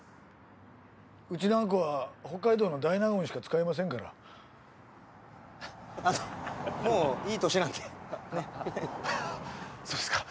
うちのあんこは北海道の大納言しか使いませんからあのもういい年なんでねっそうですか